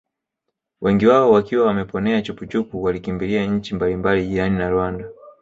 Wengi wao wakiwa Wameponea chupuchupu walikimbilia nchi mbalimbali jirani na Rwanda